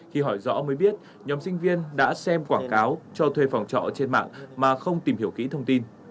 khi hỏi rõ mới biết nhóm sinh viên đã xem quảng cáo cho thuê phòng trọ trên mạng mà không tìm hiểu kỹ thông tin